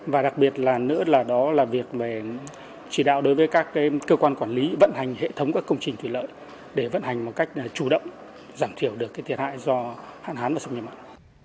và đặc biệt là nữa là đó là việc chỉ đạo đối với các cơ quan quản lý vận hành hệ thống các công trình thủy lợi để vận hành một cách chủ động giảm thiểu được cái thiệt hại do hạn hán và sông nhập mạng